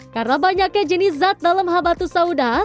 karena banyaknya jenis zat dalam habatus sauda